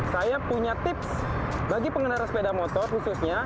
saya punya tips bagi pengendara sepeda motor khususnya